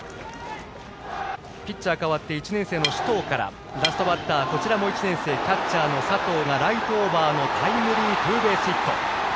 ピッチャーが代わって１年生の首藤からラストバッター１年生のキャッチャーの佐藤がライトオーバーのタイムリーツーベースヒット。